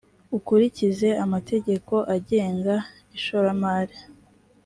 ukurikize amategeko agenga ishoramari.